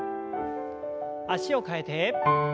脚を替えて。